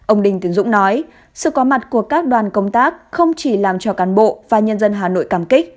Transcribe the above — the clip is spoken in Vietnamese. ông đinh tiến dũng nói sự có mặt của các đoàn công tác không chỉ làm cho cán bộ và nhân dân hà nội cảm kích